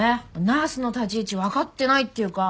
ナースの立ち位置わかってないっていうか。